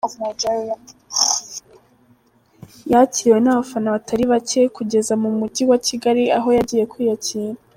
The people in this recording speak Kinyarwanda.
Yakiriwe n’abafana batari bacye kugeza mu mugi wa Kigali aho yagiye kwiyakirira.